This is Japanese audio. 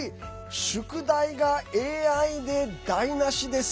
宿題がＡＩで台なしです。